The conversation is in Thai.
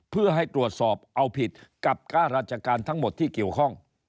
เพื่อให้ตรวจสอบเอาผิดกับค่าราชการทั้งหมดที่เกี่ยวข้อง